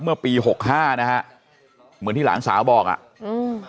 เมื่อปีหกห้านะฮะเหมือนที่หลานสาวบอกอ่ะอืม